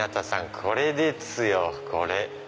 これですよこれ！